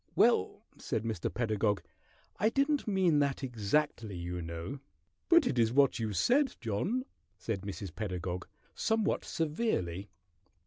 "Ahem! Well," said Mr. Pedagog, "I didn't mean that exactly, you know " "But it's what you said, John," said Mrs. Pedagog, somewhat severely.